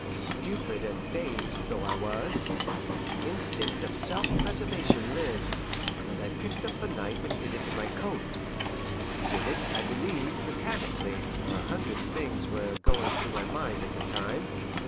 Stupid and dazed though I was, the instinct of self preservation lived, and I picked up the knife and hid it in my coat. I did it, I believe, mechanically, for a hundred things were going through my mind at the time.